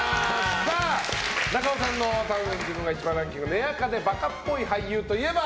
中尾さんのたぶん自分が１番ランキング根アカでバカっぽい俳優といえば？